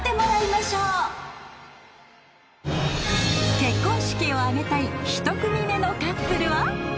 結婚式を挙げたい１組目のカップルは。